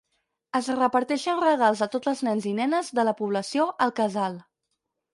Es reparteixen regals a tots els nens i nenes de la població al casal.